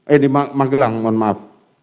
eh di magelang mohon maaf